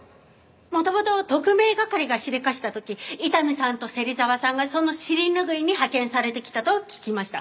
元々特命係がしでかした時伊丹さんと芹沢さんがその尻拭いに派遣されてきたと聞きました。